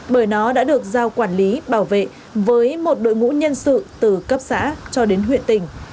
bởi nó đã được giao quản lý bảo vệ với một đội ngũ nhân sự từ cấp xã cho đến huyện tỉnh